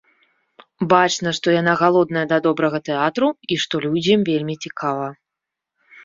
Бачна, што яна галодная да добрага тэатру і што людзям вельмі цікава.